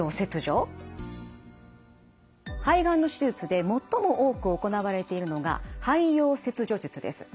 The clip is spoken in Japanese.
肺がんの手術で最も多く行われているのが肺葉切除術です。